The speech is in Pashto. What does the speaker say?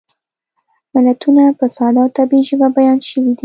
متلونه په ساده او طبیعي ژبه بیان شوي دي